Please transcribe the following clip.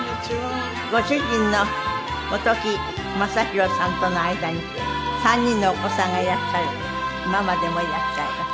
ご主人の本木雅弘さんとの間に３人のお子さんがいらっしゃるママでもいらっしゃいます。